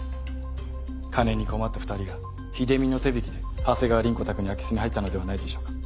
金に困った２人が秀美の手引きで長谷川凛子宅に空き巣に入ったのではないでしょうか。